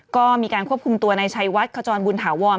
ก็มีการควบคุมตัวในชัยวัดขจรบุญถาวร